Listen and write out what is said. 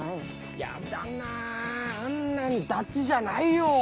ヤダなあんなんダチじゃないよ。